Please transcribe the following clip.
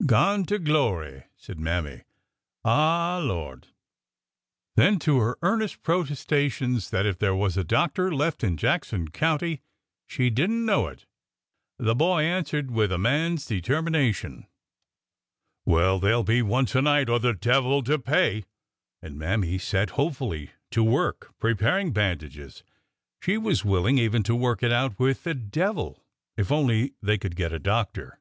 i " Gone to glory !" said Mammy. " Ah h, Lord !" Then to her earnest protestations that if there was a < doctor left in Jackson County she did n't know it, the boy answered with a man's determination :" Well, there 'll be one to night, or the devil to pay! " And Mammy set hopefully to work preparing bandages. She was willing even to work it out with the devil if only they could get a doctor.